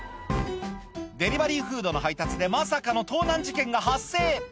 デリバリーフードの配達でまさかの盗難事件が発生